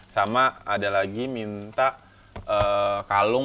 sama ada lagi minta kalung